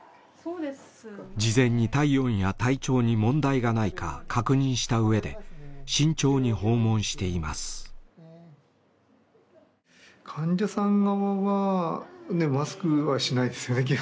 事前に体温や体調に問題がないか確認した上で慎重に訪問しています。